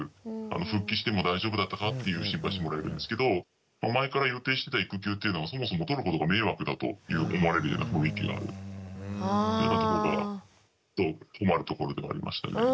復帰しても「大丈夫だったか？」っていう心配してもらえるんですけど前から予定してた育休っていうのはそもそも取ることが迷惑だと思われるような雰囲気があるというようなとこが困るところではありましたね。